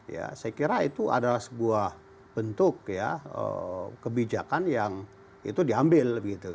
ya saya kira itu adalah sebuah bentuk ya kebijakan yang itu diambil